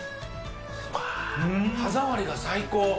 歯触りが最高。